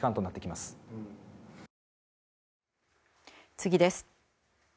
次です。